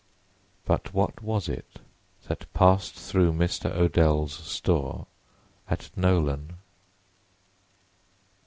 But what was it that passed through Mr. Odell's store at Nolan?